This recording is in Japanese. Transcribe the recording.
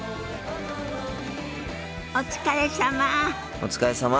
お疲れさま。